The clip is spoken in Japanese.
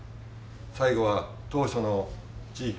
最後は当署の地域課